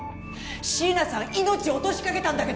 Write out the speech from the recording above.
椎名さん命を落としかけたんだけど。